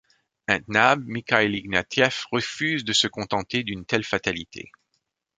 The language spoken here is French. Intenable, Mikhail Ignatiev refuse de se contenter d'une telle fatalité.